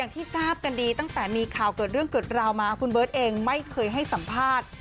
ที่ทราบกันดีตั้งแต่มีข่าวเกิดเรื่องเกิดราวมาคุณเบิร์ตเองไม่เคยให้สัมภาษณ์